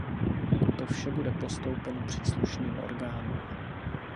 To vše bude postoupeno příslušným orgánům.